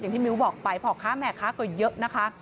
ที่มิ้วบอกไปพ่อค้าแม่ค้าก็เยอะนะคะ